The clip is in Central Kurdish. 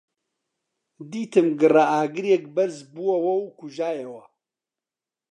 دیتم گڕەئاگرێک بەرز بۆوە و کوژایەوە